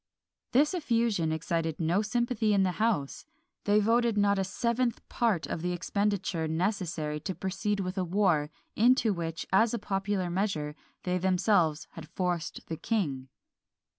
This effusion excited no sympathy in the house. They voted not a seventh part of the expenditure necessary to proceed with a war, into which, as a popular measure, they themselves had forced the king.